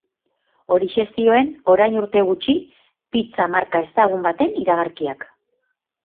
Horixe zioen orain urte gutxi pizza marka ezagun baten iragarkiak.